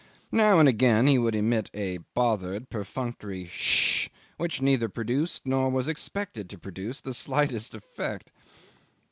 Now and again he would emit a bothered perfunctory "Sssh," which neither produced nor was expected to produce the slightest effect.